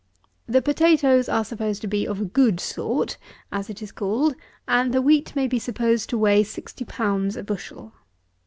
The potatoes are supposed to be of a good sort, as it is called, and the wheat may be supposed to weigh 60 pounds a bushel.